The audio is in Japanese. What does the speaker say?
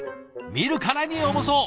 見るからに重そう！